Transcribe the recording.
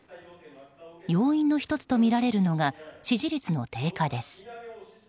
要因の１つとみられるのが支持率の低下です。